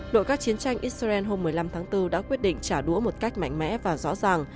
nội các chiến tranh israel hôm một mươi năm tháng bốn đã quyết định trả đũa một cách mạnh mẽ và rõ ràng